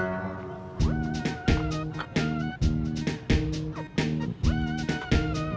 rasanya prisih sih